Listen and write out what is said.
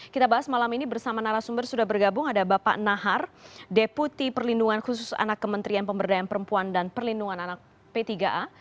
kita bahas malam ini bersama narasumber sudah bergabung ada bapak nahar deputi perlindungan khusus anak kementerian pemberdayaan perempuan dan perlindungan anak p tiga a